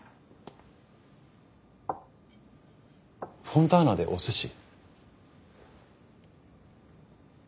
フォンターナでお寿司？